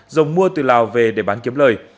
rồng mua từ lào về để bán kiếm lời